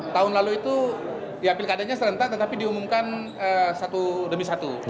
tahun lalu itu ya pilkadanya serentak tetapi diumumkan satu demi satu